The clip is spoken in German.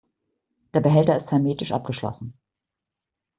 Der Behälter ist hermetisch abgeschlossen.